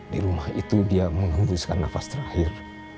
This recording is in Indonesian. di rumah itu dia menghembuskan nafas terakhir